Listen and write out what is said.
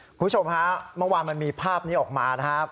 คุณผู้ชมฮะเมื่อวานมันมีภาพนี้ออกมานะครับ